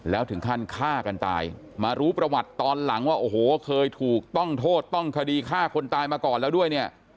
แล้วถึงขั้นฆ่ากันตายมารู้ประวัติตอนหลังว่าโอ้โหเคยถูกต้องโทษต้องคดีฆ่าคนตายมาก่อนแล้วด้วยเนี่ย